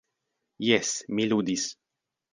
Jes, mi ludis.